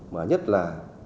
mà nhất là